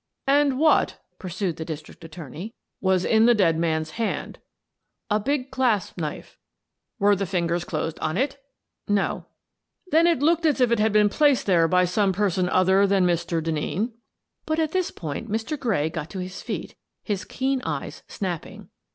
" And what," pursued the district attorney, " was in the dead man's hand ?"" A big clasp knife." " Were the fingers closed on it? "" No." " Then it looked as if it had been placed there by some person other than Mr. Denneen?" But at this point Mr. Gray got to his feet, his keen eyes snapping.